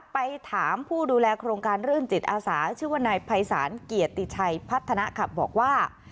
ไปถามผู้ดูแลโครงการรื่นจิตอาสาชื่อว่านายภัยศาลเกียรติชัยพัฒนาขับบอกว่า